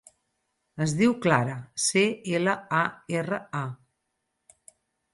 Es diu Clara: ce, ela, a, erra, a.